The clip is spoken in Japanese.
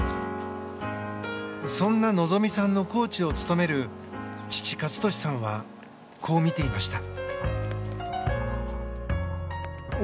そんな希実さんのコーチを務める父・健智さんはこう見ていました。